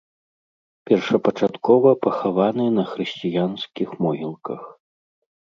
Першапачаткова пахаваны на хрысціянскіх могілках.